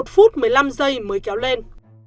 một phút một mươi năm giây mới kéo lên